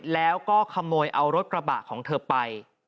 แล้วก็ขโมยเอารถกระบะของเธอไป